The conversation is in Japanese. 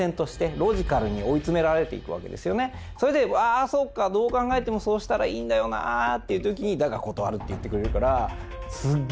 それでああそうかどう考えてもそうしたらいいんだよなぁっていう時に「だが断る」って言ってくれるからすっげ